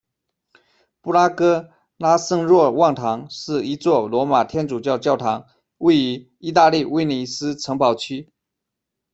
布拉戈拉圣若望堂是一座罗马天主教教堂，位于意大利威尼斯城堡区。